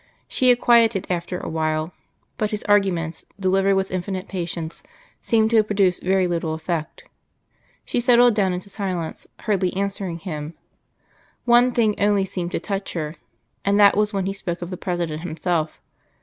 She had quieted after a while, but his arguments, delivered with infinite patience, seemed to produce very little effect. She settled down into silence, hardly answering him. One thing only seemed to touch her, and that was when he spoke of the President himself.